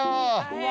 うわ。